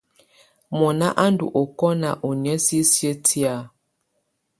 Mɔna á ndù ɔkɔna ɔ ɔnɛ̀á sisiǝ́ tɛ̀á.